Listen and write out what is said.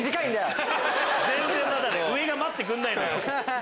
上が待ってくんないのよ！